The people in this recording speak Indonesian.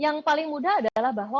yang paling mudah adalah bahwa